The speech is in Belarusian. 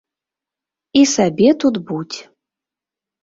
І сабе тут будзь.